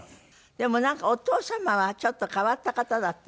でもなんかお父様はちょっと変わった方だったんですって？